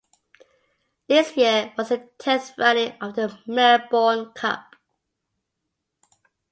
This year was the tenth running of the Melbourne Cup.